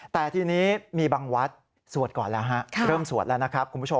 แต่ที่นี้มีบางวัดสวดก่อนก็เริ่มสวดแล้วนะครับ